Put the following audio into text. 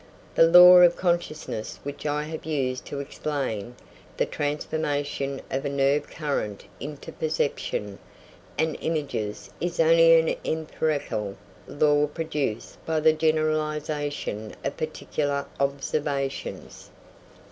The law of consciousness which I have used to explain the transformation of a nerve current into perception and images is only an empirical law produced by the generalisation of particular observations.